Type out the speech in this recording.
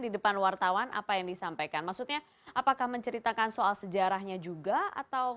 di depan wartawan apa yang disampaikan maksudnya apakah menceritakan soal sejarahnya juga atau